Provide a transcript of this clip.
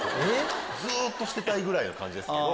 ずっとしてたいぐらいの感じですけど。